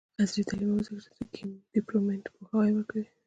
عصري تعلیم مهم دی ځکه چې د ګیم ډیولپمنټ پوهاوی ورکوي.